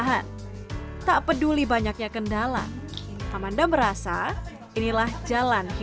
atau tidak sama sekali